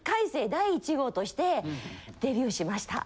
第１号としてデビューしました。